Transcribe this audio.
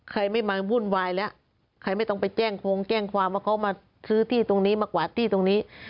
ใครไม่มาวุ่นวายแล้วใครไม่ต้องไปแจ้งคงแจ้งความว่าเขามาซื้อที่ตรงนี้มากวาดที่ตรงนี้